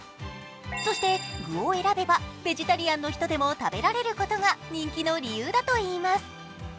そして、具を選べばベジタリアンの人でも食べられることが人気の理由だといいます。